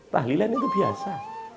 tahlilan itu biasa